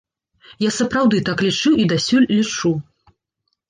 Я сапраўды так лічыў і дасюль лічу.